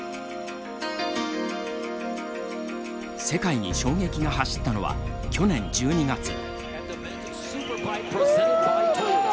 世界に衝撃が走ったのは去年１２月。